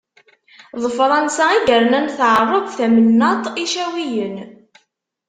D Fransa i yernan tɛerreb tamennaṭ Icawiyen.